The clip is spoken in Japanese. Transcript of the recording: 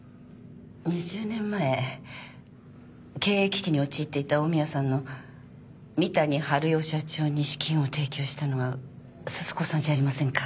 ２０年前経営危機に陥っていた近江屋さんの三谷治代社長に資金を提供したのは鈴子さんじゃありませんか？